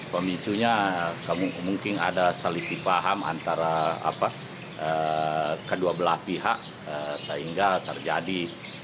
pemicunya mungkin ada selisih paham antara kedua belah pihak sehingga terjadi